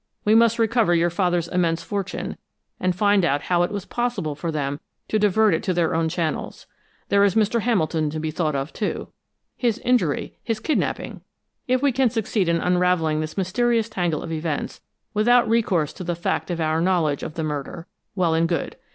We must recover your father's immense fortune, and find out how it was possible for them to divert it to their own channels. There is Mr. Hamilton to be thought of, too his injury, his kidnaping! If we can succeed in unraveling this mysterious tangle of events without recourse to the fact of our knowledge of the murder, well and good.